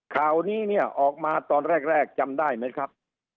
ข่าวนี้เนี่ยออกมาตอนแรกจำได้ไหมครับ